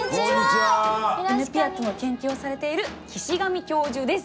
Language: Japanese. イヌピアットの研究をされている岸上教授です。